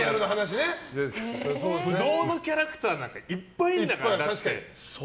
不動のキャラクターなんかいっぱいいるから。